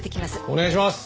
お願いします！